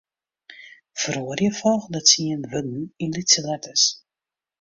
Feroarje folgjende tsien wurden yn lytse letters.